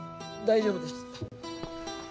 大丈夫ですか！？